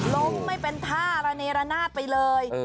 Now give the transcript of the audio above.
ล้มไม่เป็นท่าระเนรนาศไปเลย